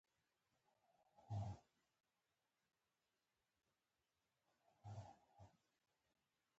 په فابریکو، روغتونونو او حتی کورونو کې روباټونه کار کوي.